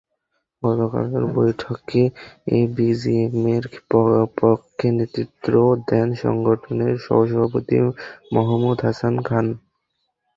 গতকালের বৈঠকে বিজিএমইএর পক্ষে নেতৃত্ব দেন সংগঠনের সহসভাপতি মাহমুদ হাসান খান।